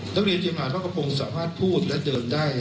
นักเรียนเตรียมฐานพระกระพงศ์สามารถพูดและเดินได้